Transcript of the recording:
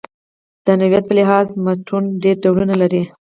د نوعیت په لحاظ متون ډېر ډولونه لري.